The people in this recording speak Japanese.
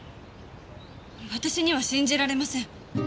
私には信じられません。